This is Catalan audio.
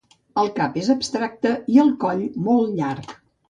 El cap és abstracte i el coll molt llarg.